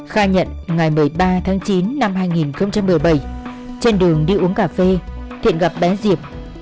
khai nhận ngày một mươi ba tháng chín năm hai nghìn một mươi bảy trên đường đi uống cà phê thiện gặp bé diệp